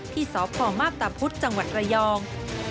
ที่สพมาพตาพุธจังหวัดระยอง